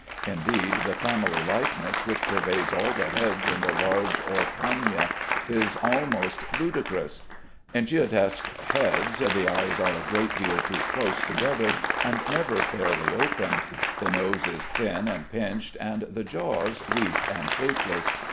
Indeed, the family likeness which pervades all the heads in the large Orcagna is almost ludicrous. In Giottesque heads the eyes are a great deal too close together and never fairly open. The nose is thin and pinched, and the jaws weak and shapeless.